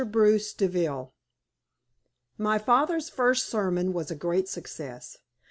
BRUCE DEVILLE My father's first sermon was a great success.